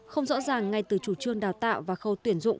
không rõ ràng ngay từ chủ trương đào tạo và khâu tuyển dụng